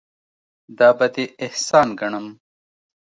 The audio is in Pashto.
دا به دې احسان ګڼم.